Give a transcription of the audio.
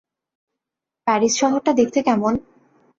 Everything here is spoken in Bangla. প্যারিস শহরটা দেখতে কেমন?